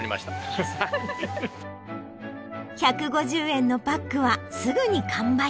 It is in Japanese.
１５０円のパックはすぐに完売。